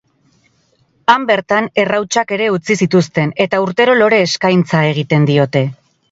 Han bertan errautsak ere utzi zituzten, eta urtero lore eskaintza egiten diote.